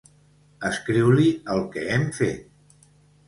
Escriu-li el que hem fet.